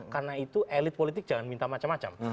karena itu elit politik jangan minta macam macam